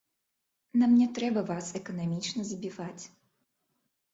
Нам не трэба вас эканамічна забіваць.